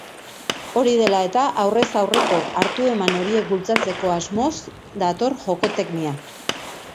Hori dela eta, aurrez aurreko hartu-eman horiek bultzatzeko asmoz dator Jokoteknia